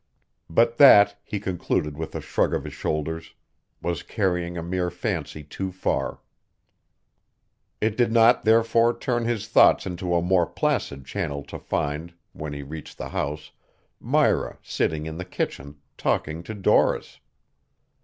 But that, he concluded with a shrug of his shoulders, was carrying a mere fancy too far. It did not therefore turn his thoughts into a more placid channel to find, when he reached the house, Myra sitting in the kitchen talking to Doris.